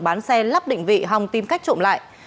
bán xe lắp định vị hòng tìm cách trộm lại